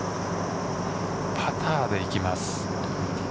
パターでいきます。